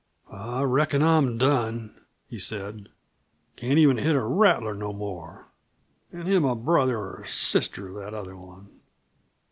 "I reckon I'm done," he said. "Can't even hit a rattler no more, an' him a brother or sister of that other one."